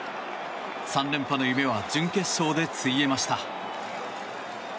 ３連覇の夢は準決勝でついえました。